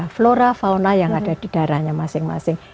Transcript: flora fauna yang ada di daerahnya masing masing